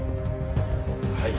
はい。